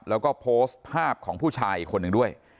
แล้วก็โพสต์ภาพของผู้ชายอีกคนหนึ่งด้วย